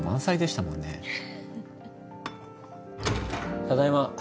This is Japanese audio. ・ただいま。